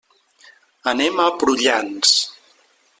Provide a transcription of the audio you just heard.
Anem a Prullans.